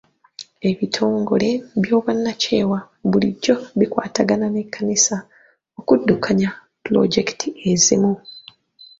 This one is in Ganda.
Ebitongole by'obwannakyewa bulijjo bikwatagana n'ekkanisa okuddukanya pulojekiti ezimu.